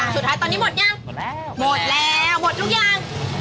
สุดท้ายตอนนี้หมดยัง